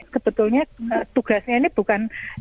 kebetulnya tugasnya ini bukan